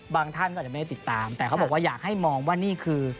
ท่านก็อาจจะไม่ได้ติดตามแต่เขาบอกว่าอยากให้มองว่านี่คือ